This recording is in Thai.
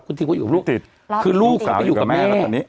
คุณทิมก็อยู่กับลูกคือลูกก็อยู่กับแม่แล้วตอนนี้